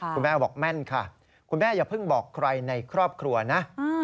แม่บอกแม่นค่ะคุณแม่อย่าเพิ่งบอกใครในครอบครัวนะ